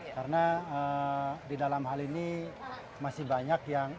karena di dalam hal ini masih banyak yang